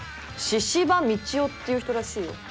「神々道夫」っていう人らしいよ。